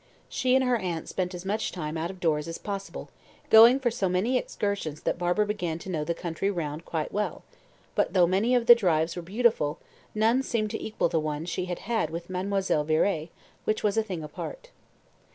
She and her aunt spent as much time out of doors as possible, going for so many excursions that Barbara began to know the country round quite well; but, though many of the drives were beautiful, none seemed to equal the one she had had with Mademoiselle Viré, which was a thing apart.